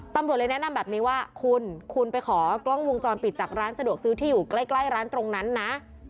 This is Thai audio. ตำรวจเลยแนะนำแบบนี้ว่าคุณคุณไปขอกล้องวงจรปิดจากร้านสะดวกซื้อที่อยู่ใกล้ร้านตรงนั้นนะ